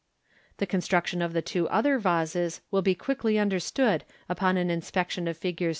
The construction of the other two vases will be quickly under stood upon an inspection of Fies.